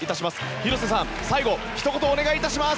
広瀬さん、最後ひと言お願いします。